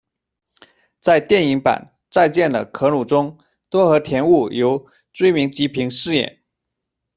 在电影版《再见了，可鲁》中，多和田悟由椎名桔平饰演。